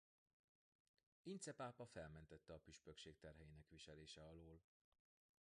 Ince pápa felmentette a püspökség terheinek viselése alól.